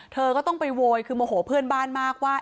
เธอก็ต้องไปโวยคือโมโหเพื่อนบ้านมากว่า